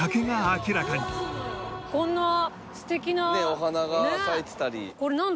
お花が咲いてたり。